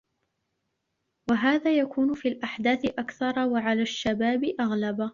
وَهَذَا يَكُونُ فِي الْأَحْدَاثِ أَكْثَرَ وَعَلَى الشَّبَابِ أَغْلَبَ